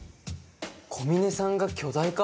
小峰さんが巨大化？